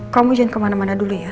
kamu jangan kemana mana dulu ya